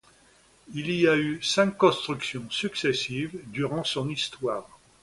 Il y a eu cinq constructions successives durant son histoire.